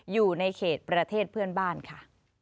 อยู่ในเขตประเทศเพื่อนบ้านค่ะ